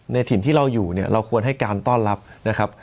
ถิ่นที่เราอยู่เนี่ยเราควรให้การต้อนรับนะครับ